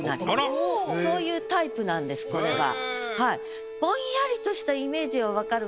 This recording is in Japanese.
そういうタイプなんですこれは。